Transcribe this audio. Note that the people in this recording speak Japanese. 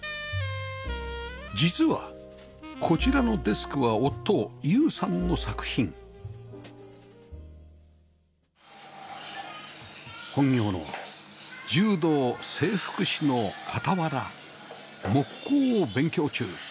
実はこちらのデスクは夫裕さんの作品本業の柔道整復師の傍ら木工を勉強中